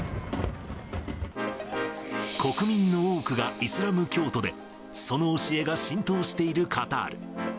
国民の多くがイスラム教徒で、その教えが浸透しているカタール。